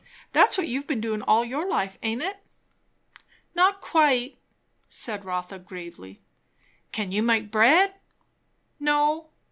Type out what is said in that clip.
That's what you've been doin' all your life, aint it?" "Not quite," said Rotha gravely. "Can you make bread?" "No."